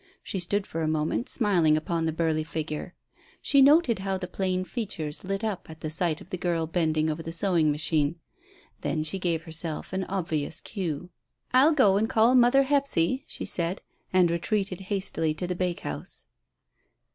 She stood for a moment smiling upon the burly figure. She noted how the plain features lit up at the sight of the girl bending over the sewing machine. Then she gave herself an obvious cue. "I'll go and call mother Hephzy," she said, and retreated hastily to the bake house.